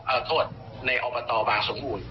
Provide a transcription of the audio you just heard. เอาโทษในอบตบางสมบูรณ์